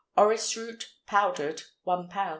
Orris root, powdered 1 lb.